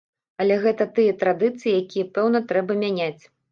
Але гэта тыя традыцыі, якія, пэўна, трэба мяняць.